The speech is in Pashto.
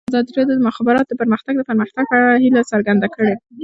ازادي راډیو د د مخابراتو پرمختګ د پرمختګ په اړه هیله څرګنده کړې.